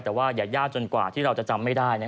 แต่ว่าอย่ายากจนกว่าที่เราจะจำไม่ได้